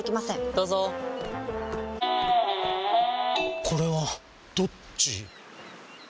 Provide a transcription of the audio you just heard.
どうぞこれはどっち？